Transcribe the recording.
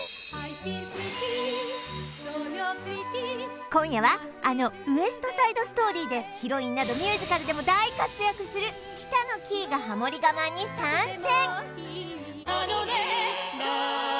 ｐｒｅｔｔｙ今夜はあの「ウエスト・サイド・ストーリー」でヒロインなどミュージカルでも大活躍する北乃きいがハモリ我慢に参戦！